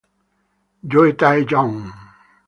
Jon Tae-yong